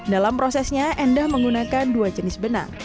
dalam prosesnya endah menggunakan dua jenis benang